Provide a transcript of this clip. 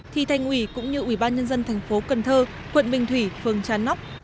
thì thành ủy cũng như ủy ban nhân dân thành phố cần thơ quận bình thủy phường trà nóc